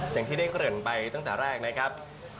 อย่างที่ได้เกริ่นไปตั้งแต่แรกนะครับ